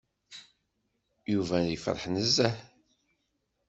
Yuba yefreḥ nezzeh.